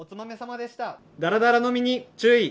だらだら飲みに注意。